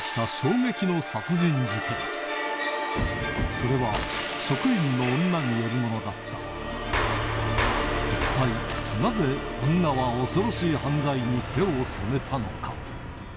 それはによるものだった女は恐ろしい犯罪に手を染めたのか？